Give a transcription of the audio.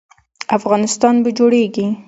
افغانستان به جوړیږي؟